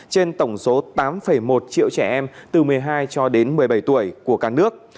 trên tổng số tám một triệu trẻ em từ một mươi hai cho đến một mươi bảy tuổi của cả nước